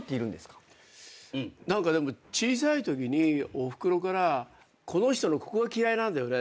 でも小さいときにおふくろからこの人のここが嫌いなんだよね。